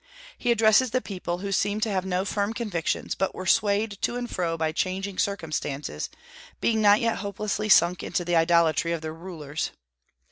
He addresses the people, who seemed to have no firm convictions, but were swayed to and fro by changing circumstances, being not yet hopelessly sunk into the idolatry of their rulers.